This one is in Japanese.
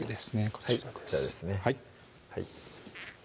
こちらですね